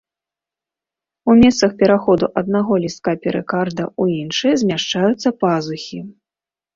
У месцах пераходу аднаго лістка перыкарда ў іншы змяшчаюцца пазухі.